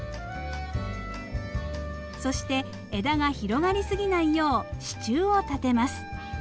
そして枝が広がり過ぎないよう支柱を立てます。